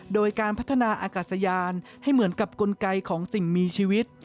โดยการพัฒนาอากาศยานให้เหมือนกับกลไกของสิ่งมีชีวิต